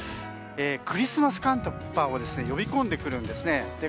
クリスマス寒波を呼び込んでくるんですね。